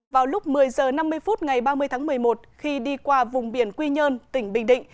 vào lúc một mươi h năm mươi phút ngày ba mươi tháng một mươi một khi đi qua vùng biển quy nhơn tỉnh bình định